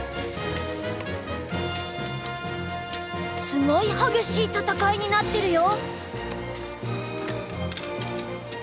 すごい激しい戦いになってるよ！